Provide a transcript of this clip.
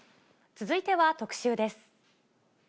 続いては特集です。